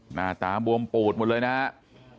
หน้าตาบวมปูดหมดเลยนะครับ